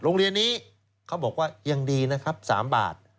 โรงเรียนนี้เขาบอกว่ายังดีนะครับ๓บาท